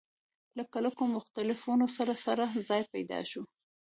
له کلکو مخالفتونو سره سره ځای پیدا شو.